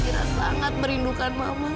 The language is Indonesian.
mira sangat merindukan mama